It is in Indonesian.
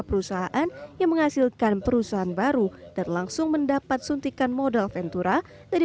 perusahaan yang menghasilkan perusahaan baru dan langsung mendapat suntikan modal ventura dari